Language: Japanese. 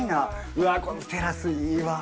うわっこのテラスいいわー！